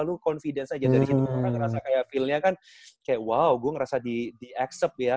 lu confidence aja dari situ orang ngerasa kayak feelnya kan kayak wow gue ngerasa di accep ya